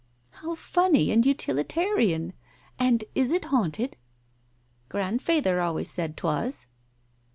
" How funny and utilitarian ! And is it haunted ?" "Grandfeyther always said 'twas."